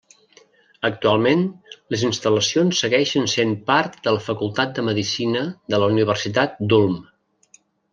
Actualment, les instal·lacions segueixen sent part de la facultat de Medicina de la Universitat d'Ulm.